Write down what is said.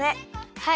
はい。